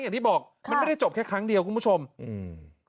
อย่างที่บอกมันไม่ได้จบแค่ครั้งเดียวคุณผู้ชมอืม